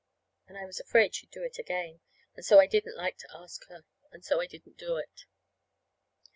And I was afraid she'd do it again, and so I didn't like to ask her. And so I didn't do it.